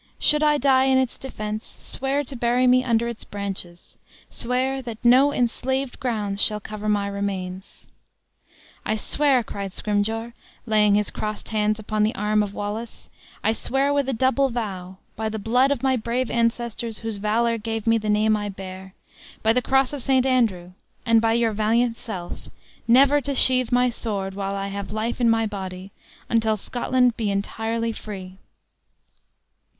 Should I die in its defense, swear to bury me under its branches; swear that no enslaved grounds shall cover my remains." "I swear," cried Scrymgeour, laying his crossed hands upon the arm of Wallace; "I swear with a double vow; by the blood of my brave ancestors, whose valor gave me the name I bear; by the cross of St. Andrew; and by your valiant self, never to sheath my sword, while I have life in my body, until Scotland be entirely free!"